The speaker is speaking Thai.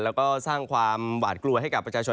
แล้วก็สร้างความหวาดกลัวให้กับประชาชน